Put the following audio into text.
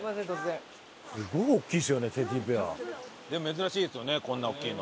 珍しいですよねこんな大きいの。